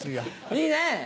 いいね！